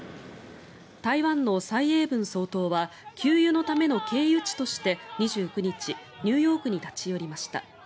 台湾の蔡英文総統は給油のための経由地として２９日ニューヨークに立ち寄りました。